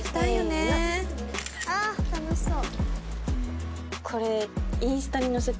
ああー楽しそう！